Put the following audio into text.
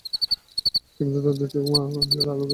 কিংবা এদের আলোর তেমন প্রয়োজন নেই।